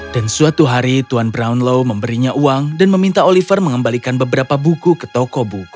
dan suatu hari tuan brownlow memberinya uang dan meminta oliver mengembalikan beberapa buku ke toko buku